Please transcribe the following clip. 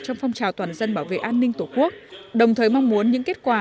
trong phong trào toàn dân bảo vệ an ninh tổ quốc đồng thời mong muốn những kết quả